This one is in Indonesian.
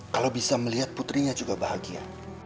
kalau bisa melihat putrinya juga bahagia